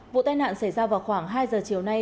vụ tai nạn xảy ra vào khoảng hai giờ chiều nay